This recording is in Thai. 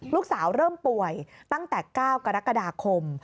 ลูกสาวเริ่มป่วยตั้งแต่๙กรกฎาคม